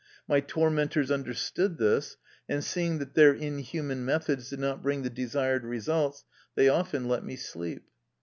My tormentors understood this, and seeing that their inhuman methods did not bring the desired results, they often let me sleep.